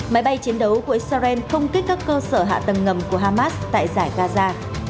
máy bay chiến đấu của israel không kích các cơ sở hạ tầng ngầm của hamas tại giải gaza